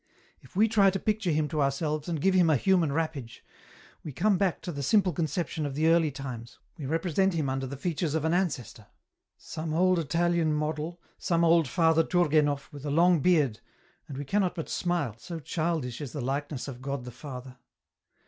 If we try to picture Him to ourselves F 66 EN ROUTE. and give Him a human wrappage, we come back to the simple conception of the early times, we represent Him under the features of an ancestor. Some old Italian model, some old Father TourgdnefF, with a long beard, and we cannot but smile, so childish is the likeness of God the Father.